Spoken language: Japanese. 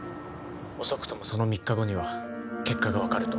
遅くともその３日後には結果が分かると